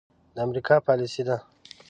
د امريکا پاليسي ده.